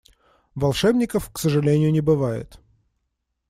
Волшебников, к сожалению, не бывает.